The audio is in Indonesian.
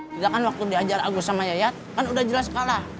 sedangkan waktu diajar agus sama yayat kan udah jelas kalah